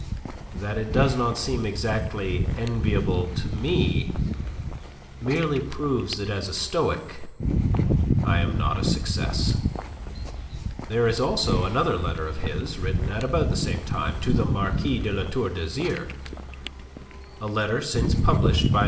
That it does not seem exactly enviable to me merely proves that as a Stoic I am not a success." There is also another letter of his written at about the same time to the Marquis de La Tour d'Azyr a letter since published by M.